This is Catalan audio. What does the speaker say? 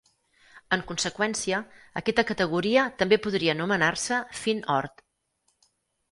En conseqüència, aquesta categoria també podria anomenar-se FinOrd.